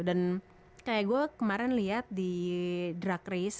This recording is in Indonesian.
dan kayak gue kemarin lihat di drag race